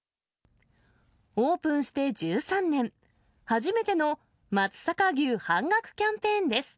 オープンして１３年、初めての松阪牛半額キャンペーンです。